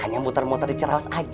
hanya muter muter di cirawas aja